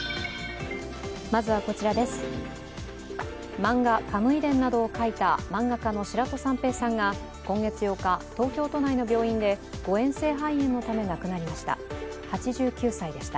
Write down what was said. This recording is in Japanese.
漫画「カムイ伝」などを描いた漫画家の白土三平さんが今月８日、東京都内の病院で誤えん性肺炎のため亡くなりました。